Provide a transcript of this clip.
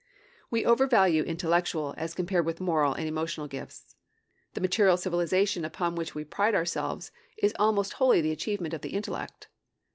We overvalue intellectual as compared with moral and emotional gifts. The material civilization upon which we pride ourselves is almost wholly the achievement of the intellect.